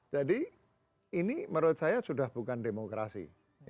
jadi ini menurut saya sudah bukan demokrasi